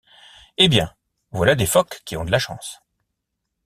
Eh bien! voilà des phoques qui ont de la chance !